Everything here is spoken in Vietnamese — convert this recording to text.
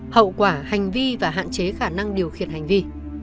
hậu quả hành vi và hạn chế khả năng điều khiển hành vi